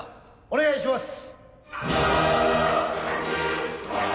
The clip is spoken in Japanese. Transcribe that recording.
お願いします。